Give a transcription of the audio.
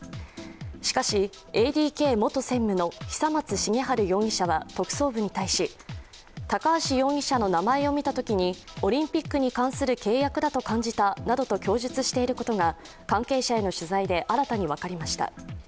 しかし、ＡＤＫ元専務の久松茂治容疑者は特捜部に対し高橋容疑者の名前を見たとにきオリンピックに関する契約だと感じたなどと供述していることが関係者への取材で新たに分かりました。